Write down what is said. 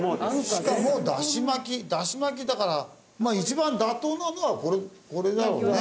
しかもダシ巻きダシ巻きだから一番打倒なのはこれだよね。